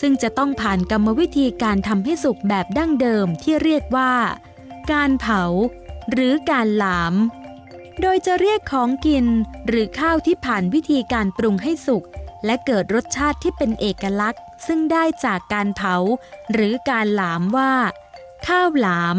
ซึ่งจะต้องผ่านกรรมวิธีการทำให้สุกแบบดั้งเดิมที่เรียกว่าการเผาหรือการหลามโดยจะเรียกของกินหรือข้าวที่ผ่านวิธีการปรุงให้สุกและเกิดรสชาติที่เป็นเอกลักษณ์ซึ่งได้จากการเผาหรือการหลามว่าข้าวหลาม